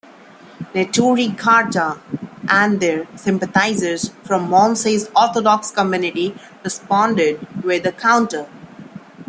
Neturei Karta and their sympathisers from Monsey's Orthodox community responded with a counter protest.